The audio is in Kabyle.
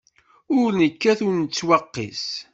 Ur nekkat ur nettwaqis.